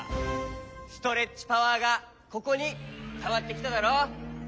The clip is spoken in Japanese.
ストレッチパワーがここにたまってきただろ。